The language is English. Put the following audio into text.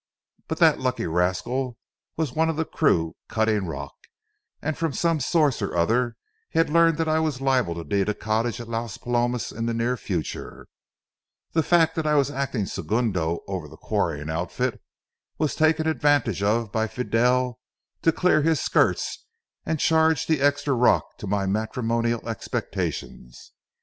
But that lucky rascal was one of the crew cutting rock, and from some source or other he had learned that I was liable to need a cottage at Las Palomas in the near future. The fact that I was acting segundo over the quarrying outfit, was taken advantage of by Fidel to clear his skirts and charge the extra rock to my matrimonial expectations.